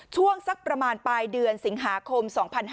ช่วงสักประมาณปลายเดือนสิงหาคม๒๕๕๙